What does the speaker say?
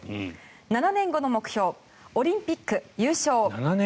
７年後の目標オリンピック優勝！